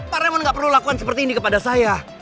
pak remon gak perlu lakukan seperti ini kepada saya